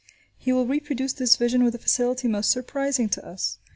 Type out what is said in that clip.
He will reproduce this vision with a facility most surprising to us.